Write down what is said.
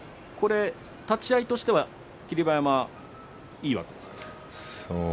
立ち合いとしては霧馬山はいいわけですか？